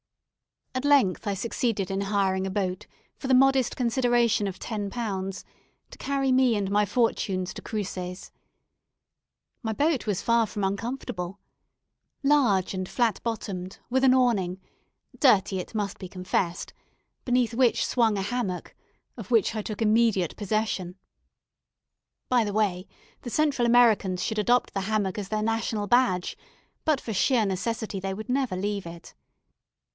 At length I succeeded in hiring a boat for the modest consideration of ten pounds, to carry me and my fortunes to Cruces. My boat was far from uncomfortable. Large and flat bottomed, with an awning, dirty it must be confessed, beneath which swung a hammock, of which I took immediate possession. By the way, the Central Americans should adopt the hammock as their national badge; but for sheer necessity they would never leave it.